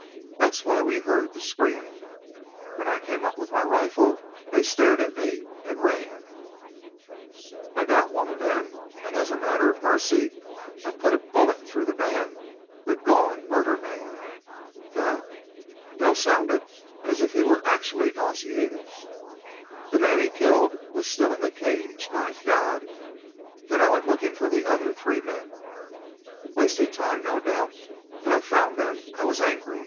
That's why we heard the scream. When I came up with my rifle they stared at me, and ran. "I got one then, and as a matter of mercy I put a bullet through the man who'd gone murder mad. The" Bell sounded as if he were acutely nauseated "the man he'd killed was still in the cage. My God!... Then I went looking for the other three men. Wasting time, no doubt, but I found them. I was angry.